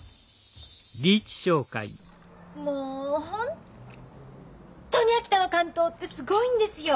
もうホントに秋田の竿燈ってすごいんですよ。